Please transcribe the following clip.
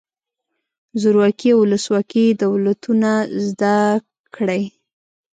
زورواکي او ولسواکي دولتونه زده کړئ.